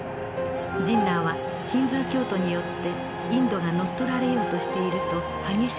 ジンナーはヒンズー教徒によってインドが乗っ取られようとしていると激しく反発。